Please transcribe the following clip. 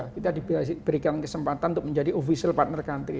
kita diberikan kesempatan untuk menjadi official partner country